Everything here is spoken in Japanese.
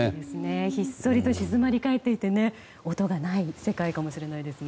ひっそりと静まり返っていて音がない世界かもしれないですね。